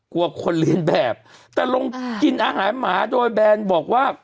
กลัวคนเรียนแบบแต่ลงกินอาหารหมาโดยแบนบอกว่า